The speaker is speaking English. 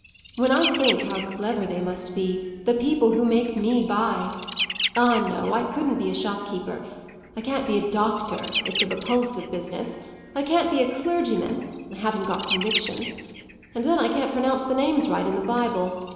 When I think how clever they must be, the people who make me buy! Ah no; I couldn't be a shopkeeper. I can't be a doctor; it's a repulsive business. I can't be a clergyman; I haven't got convictions. And then I can't pronounce the names right in the Bible.